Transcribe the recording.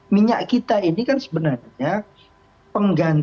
minyak kita ini kan sebenarnya pengganti